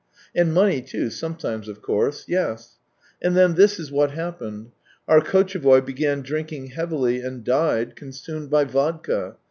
And money, too, sometimes, of course. Yes. ... And then, this is what happened. Our Kotchevoy began drinking heavily and died, consumed by vodka.